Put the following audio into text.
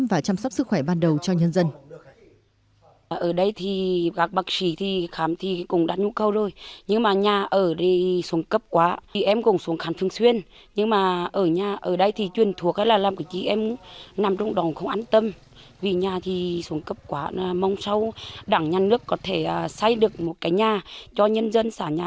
và chăm sóc sức khỏe ban đầu cho nhân dân